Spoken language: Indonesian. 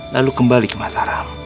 lalu kembali ke mataram